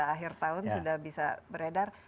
akhir tahun sudah bisa beredar